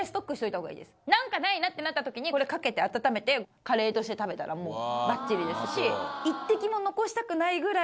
何かないなってなったときにこれかけて温めてカレーとして食べたらもうバッチリですし。